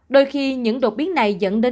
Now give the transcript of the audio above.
đôi khi những đột biến này dẫn đến